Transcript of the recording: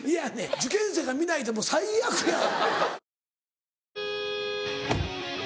受験生が見ないともう最悪やわ。